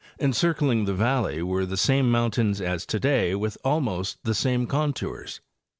En circling the valley were the same mountains as today with almost the same contours.